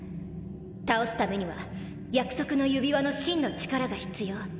倒すためには約束の指輪の真の力が必要。